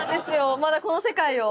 まだこの世界を。